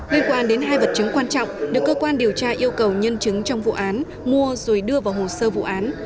liên quan đến hai vật chứng quan trọng được cơ quan điều tra yêu cầu nhân chứng trong vụ án mua rồi đưa vào hồ sơ vụ án